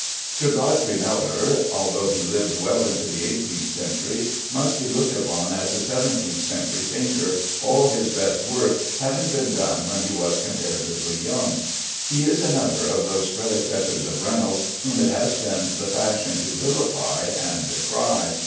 Sir Godfrey Kneller, although he lived well into the eighteenth century, must be looked upon as a seventeenth century painter, all his best work having been done when he was comparatively young. He is another of those predecessors of Reynolds whom it has been the fashion to villify and decry.